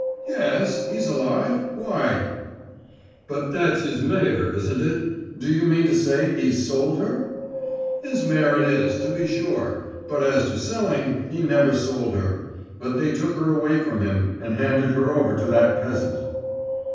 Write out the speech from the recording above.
'Yes, he's alive. Why?' 'But that's his mare, isn't it? Do you mean to say he's sold her?' 'His mare it is, to be sure; but as to selling, he never sold her. But they took her away from him, and handed her over to that peasant.